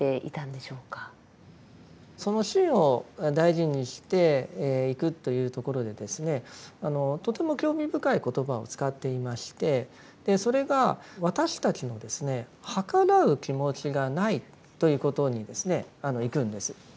その信を大事にしていくというところでとても興味深い言葉を使っていましてそれが私たちの「はからう気持ちがない」ということにいくんです。